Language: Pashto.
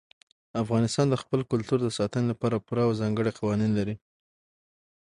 افغانستان د خپل کلتور د ساتنې لپاره پوره او ځانګړي قوانین لري.